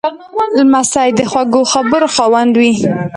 لمسی د خوږو خبرو خاوند وي.